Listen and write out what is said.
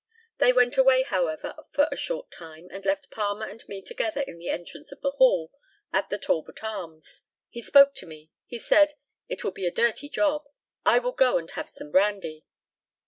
They went away, however, for a short time, and left Palmer and me together in the entrance to the hall at the Talbot Arms. He spoke to me. He said "It will be a dirty job; I will go and have some brandy."